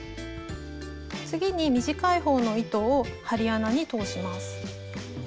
次に短い方の糸を針穴に通します。